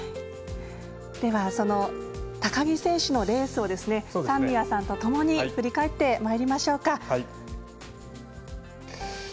では、高木選手のレースを三宮さんとともに振り返ってまいりましょう。